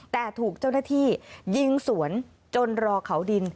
แต่ถูกเจ้าหน้าที่ยิงสวนจนรอเขาดิน